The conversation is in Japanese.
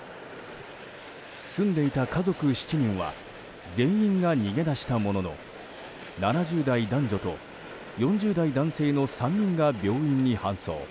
住んでいた家族７人は全員が逃げ出したものの７０代男女と４０代男性の３人が病院に搬送。